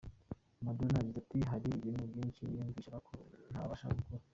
Madonna yagize ati "Hari ibintu byinshi niyumvishaga ko ntabasha gukora.